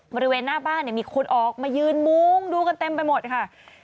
บริเวณหน้าบ้านมีคนออกมายืนมุ้งดูกันเต็มไปหมดค่ะ